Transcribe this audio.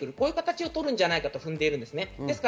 こういう形をとるんじゃないかと踏んでいます。